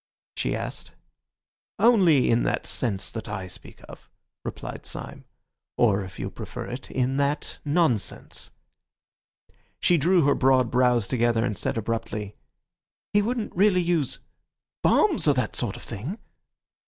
she asked. "Only in that sense I speak of," replied Syme; "or if you prefer it, in that nonsense." She drew her broad brows together and said abruptly— "He wouldn't really use—bombs or that sort of thing?"